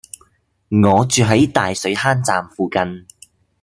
我住喺大水坑站附近